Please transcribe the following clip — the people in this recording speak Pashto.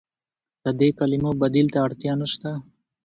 د دې کلمو بدیل ته اړتیا نشته.